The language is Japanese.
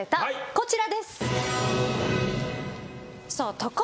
こちらです。